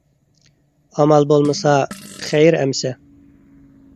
ئامال بولمىسا، خەير ئەمىسە!